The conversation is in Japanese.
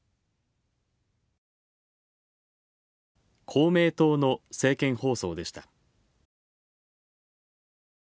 公明党の政見放送でした。